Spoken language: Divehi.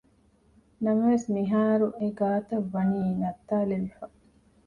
ނަމަވެސް މިހާރު އެގާތައް ވަނީ ނައްތާލެވިފަ